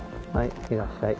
いってらっしゃい。